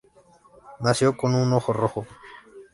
Nació con un ojo rojo.